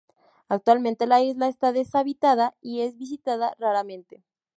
Actualmente la isla está deshabitada y es visitada raramente.